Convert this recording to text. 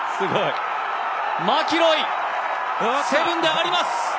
マキロイ、７で上がります。